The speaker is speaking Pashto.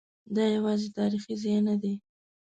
دا یوازې تاریخي ځای نه دی.